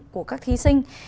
của các thí sinh